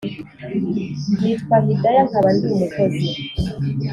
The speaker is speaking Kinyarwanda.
nitwa hidaya nkaba ndi umukozi